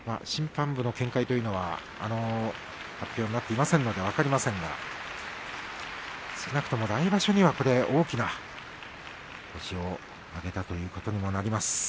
審判部の見解というのは発表になっていませんので分かりませんが少なくとも来場所には大きな星を挙げたということになります。